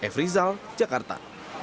f rizal jakarta